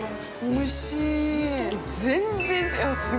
◆おいしい。